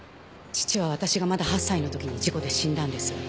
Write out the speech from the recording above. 父は私がまだ８歳の時に事故で死んだんです。